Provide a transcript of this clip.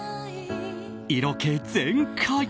色気全開！